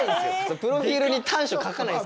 プロフィールに短所書かないです。